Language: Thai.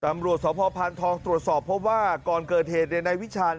ตำรวจสพพานทองตรวจสอบพบว่าก่อนเกิดเหตุในวิชาณ